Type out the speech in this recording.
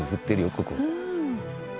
ここ。